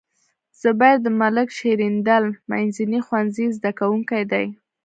زبير د ملک شیریندل منځني ښوونځي زده کوونکی دی.